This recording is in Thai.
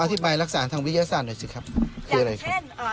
เราอธิบายลักษะทางวิทยาศาสตร์หน่อยสิครับคืออะไรครับอย่างเช่นอ่า